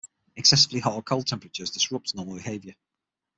Excessively hot or cold temperatures disrupt normal behavior.